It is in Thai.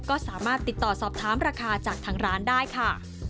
ก็สามารถติดต่อสอบถามราคาจากทางร้านได้ค่ะ